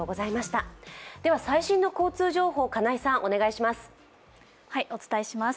最新の交通情報を金井さん、お願いします。